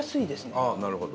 ああなるほど。